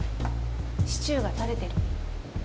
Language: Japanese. シチューが垂れてる。